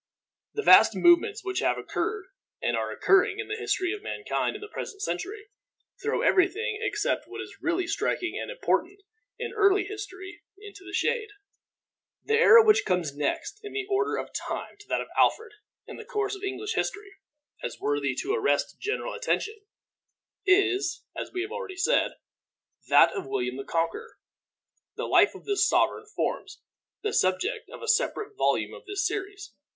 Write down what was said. The vast movements which have occurred and are occurring in the history of mankind in the present century, throw every thing except what is really striking and important in early history into the shade. The era which comes next in the order of time to that of Alfred in the course of English history, as worthy to arrest general attention, is, as we have already said, that of William the Conqueror. The life of this sovereign forms the subject of a separate volume of this series.